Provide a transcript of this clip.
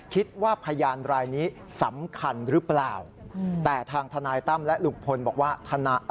คิดว่าพยานรายนี้สำคัญหรือเปล่าแต่ทางทนายต้ำและลุงพลบอกว่า